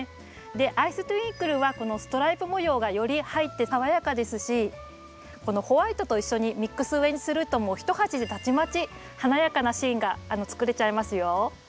アイストゥインクルはこのストライプ模様がより入って爽やかですしこのホワイトと一緒にミックス植えにするともう一鉢でたちまち華やかなシーンが作れちゃいますよ。